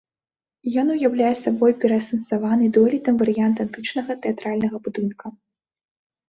Ён уяўляе сабой пераасэнсаваны дойлідам варыянт антычнага тэатральнага будынка.